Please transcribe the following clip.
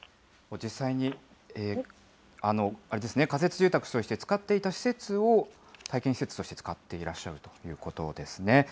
実際に仮設住宅として使っていた施設を体験施設として使っていらっしゃるということですね。